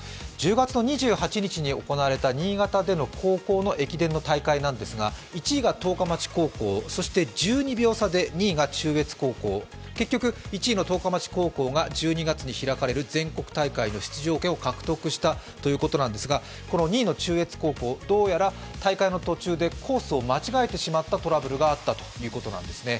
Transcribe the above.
１０月の２８日に行われた新潟での高校の駅伝の大会ですが１位が十日町高校、そして１２秒差で２位が中越高校、結局、１位の十日町高校が１２月に開かれる全国大会の出場権を獲得したということですが２位の中越高校、どうやら大会の途中でコースを間違えてしまったトラブルがあったということなんですね。